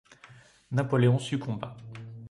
Napoléon succomba.